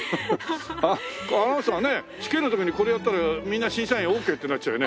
アナウンサーはね試験の時にこれやったらみんな審査員オッケーってなっちゃうよね。